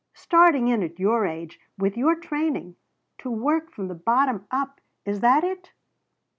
Starting in at your age with your training to 'work from the bottom up' is that it?"